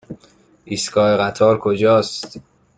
ایستگاه قطار کجاست؟